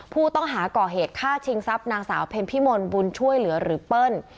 ผู้ต้องหาก่อเหตุฆ่าชิงทรัพย์นางสาวเพ็ญพิมลบุญช่วยเหลือหรือเปิ้ล